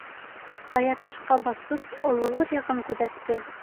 Ҡаяташҡа баҫып, Олоғыр яғын күҙәтте.